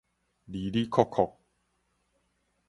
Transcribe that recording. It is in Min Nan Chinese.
里里擴擴